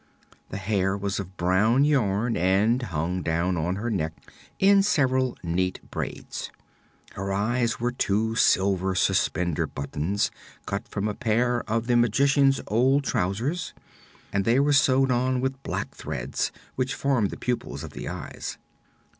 The hair was of brown yarn and hung down on her neck in several neat braids. Her eyes were two silver suspender buttons cut from a pair of the Magician's old trousers, and they were sewed on with black threads, which formed the pupils of the eyes.